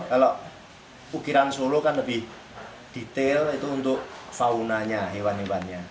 kalau ukiran solo kan lebih detail